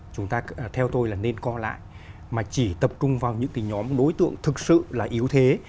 chương trình chúng ta theo tôi là nên co lại mà chỉ tập trung vào những nhóm đối tượng thực sự là yếu thế